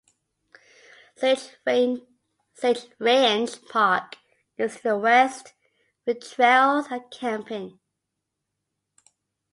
Sage Ranch Park is to the west with trails and camping.